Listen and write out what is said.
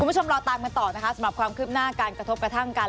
คุณผู้ชมรอตามกันต่อนะคะสำหรับความคืบหน้าการกระทบกระทั่งกัน